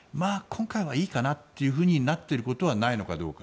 今回はいいかなというふうになってることはないのか。